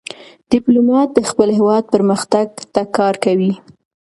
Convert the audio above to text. ډيپلومات د خپل هېواد پرمختګ ته کار کوي.